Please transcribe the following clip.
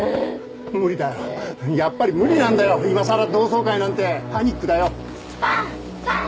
無理だよやっぱり無理なんだよ今さら同窓会なんてパニックだよバーン！